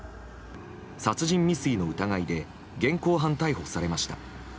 殺人未遂の疑いで現行犯逮捕されました。